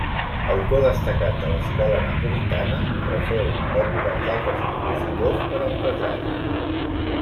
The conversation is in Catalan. Autor destacat de l'escola napolitana, reféu òperes d'altres compositors per a empresaris.